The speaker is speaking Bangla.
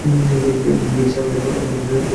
গ্রেসি, বাইরে আমাদের সাথে দেখা কর।